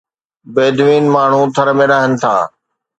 بيدوين ماڻهو ٿر ۾ رهن ٿا.